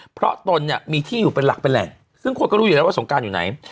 เพราะตนเนี่ยมีที่อยู่เป็นหลักเป็นแหล่งซึ่งคนก็รู้อยู่แล้วว่าสงการอยู่ไหน